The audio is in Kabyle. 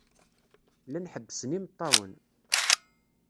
Llan ḥebbsen imeṭṭawen.